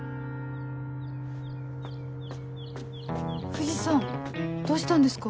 藤さんどうしたんですか？